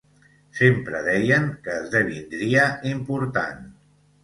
Sempre deien que esdevindria important.